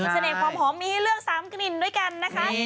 เสน่ห์ความหอมมีให้เลือก๓กลิ่นด้วยกันนะคะ